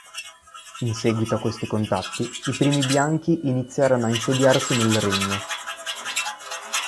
In seguito a questi contatti, i primi bianchi iniziarono a insediarsi nel regno.